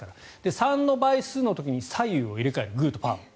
３の倍数の時に左右を入れ替えるグーとパーを。